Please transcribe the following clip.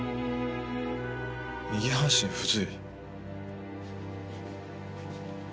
右半身不随。